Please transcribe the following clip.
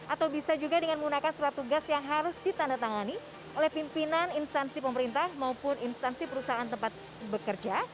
atau bisa juga dengan menggunakan surat tugas yang harus ditandatangani oleh pimpinan instansi pemerintah maupun instansi perusahaan tempat bekerja